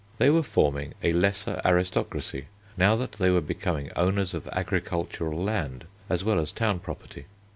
They were forming a lesser aristocracy now that they were becoming owners of agricultural land as well as town property.